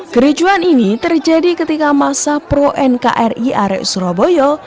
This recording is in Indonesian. kericuan ini terjadi ketika masa pro nkri arek surabaya